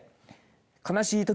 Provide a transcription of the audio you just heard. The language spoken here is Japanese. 悲しい時。